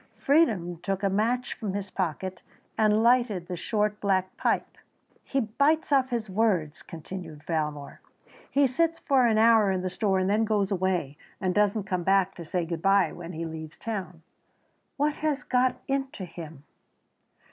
Freedom took a match from his pocket and lighted the short black pipe. "He bites off his words," continued Valmore; "he sits for an hour in the store and then goes away, and doesn't come back to say good bye when he leaves town. What has got into him?"